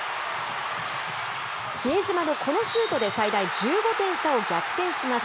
比江島のこのシュートで最大１５点差を逆転します。